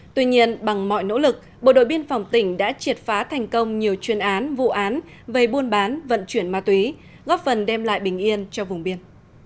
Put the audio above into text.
tuy nhiên bằng mọi nỗ lực bộ đội biên phòng tỉnh đã triệt phá thành công nhiều chuyên án vụ án về buôn bán vận chuyển ma túy góp phần đem lại bình yên cho vùng biên